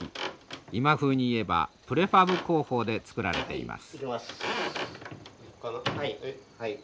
今風に言えばプレファブ工法で作られています。